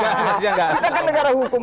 kita kan negara hukum